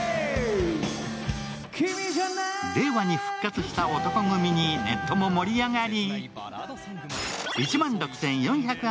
令和に復活した男闘呼組にネットも盛り上がり。